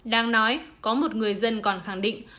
đang nói có một người dân còn khẳng định